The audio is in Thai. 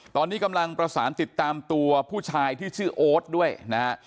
ตอนนี้กำลังประสานติดตามตัวผู้ชายที่ชื่อโอ๊ตด้วยนะฮะ